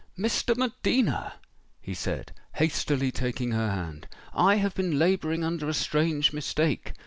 "Miss de Medina!" he said, hastily taking her hand, "I have been labouring under a strange mistake.